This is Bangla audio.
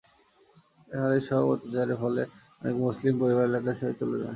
আর এইসব অত্যাচারের ফলে অনেক মুসলিম পরিবার এলাকা ছেড়ে অন্যত্র চলে যান।